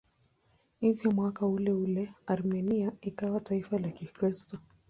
Hivyo mwaka uleule Armenia ikawa taifa la Kikristo.